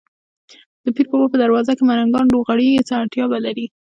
د پیر بابا په دروازه کې ملنګان لوغړېږي، څه اړتیا به لري.